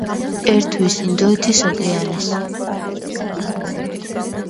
ერთვის ინდოეთის ოკეანეს.